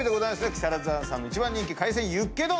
「木更津庵」さんの一番人気海鮮ユッケ丼。